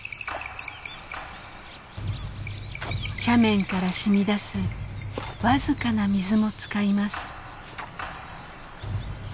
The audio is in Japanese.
斜面からしみ出す僅かな水も使います。